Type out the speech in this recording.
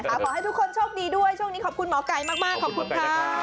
ขอให้ทุกคนโชคดีด้วยช่วงนี้ขอบคุณหมอไก่มากขอบคุณค่ะ